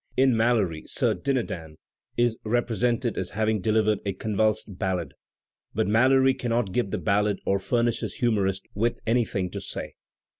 In Malory Sir Dinadan is represented as having delivered a convulsing ballad, but Malory cannot give the ballad, or furnish his humourist with anything to say.